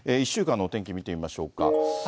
１週間のお天気見てみましょうか。